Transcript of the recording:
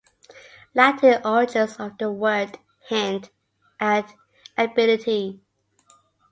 Latin origins of the word hint at ability.